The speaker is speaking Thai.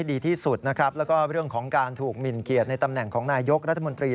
ดีที่สุดนะครับแล้วก็เรื่องของการถูกหมินเกียรติในตำแหน่งของนายยกรัฐมนตรี